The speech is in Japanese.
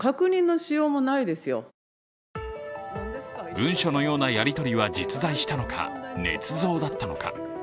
文書のようなやりとりは実在したのか、ねつ造だったのか。